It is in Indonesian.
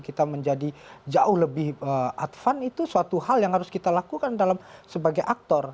kita menjadi jauh lebih advance itu suatu hal yang harus kita lakukan sebagai aktor